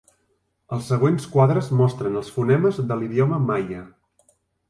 Els següents quadres mostren els fonemes de l'idioma maia.